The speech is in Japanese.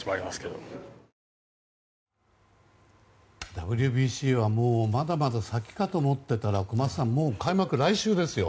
ＷＢＣはまだまだ先かと思っていたら小松さん、もう開幕来週ですよ。